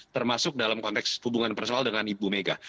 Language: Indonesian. termasuk dalam konteks hubungan personal dengan ibu mega